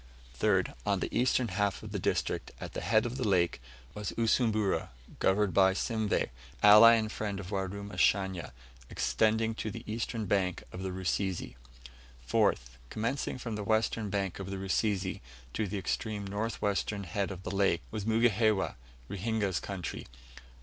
3rd. On the eastern half of the district, at the head of the lake, was Usumbura, governed by Simveh, ally and friend of Warumashanya, extending to the eastern bank of the Rusizi. 4th. Commencing from the western bank of the Rusizi, to the extreme north western head of the lake, was Mugihewa Ruhinga's country.